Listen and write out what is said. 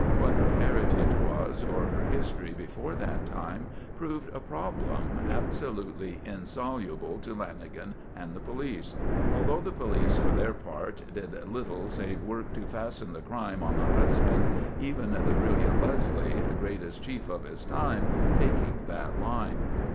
What her heritage was or her history before that time, proved a problem absolutely insoluble to Lanagan and the police: although the police, for their part, did little save work to fasten the crime on the husband, even the brilliant Leslie, greatest chief of his time, taking that line.